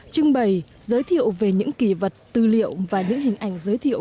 trưng bày giới thiệu về những kỳ vật tư liệu và những hình ảnh giới thiệu